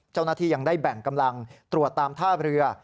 เจ้าหน้าที่ยังได้แบ่งกำลังตรวจตามท่าเรือ